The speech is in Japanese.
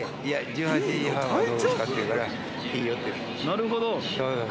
なるほど！